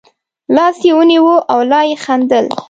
لاس یې ونیو او لا یې خندل.